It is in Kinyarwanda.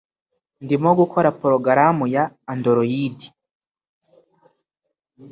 Ndimo gukora porogaramu ya Android.